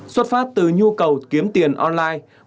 xuất phát từ nhu cầu kiếm tiền online